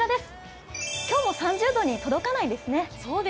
今日も３０度に届かないですね。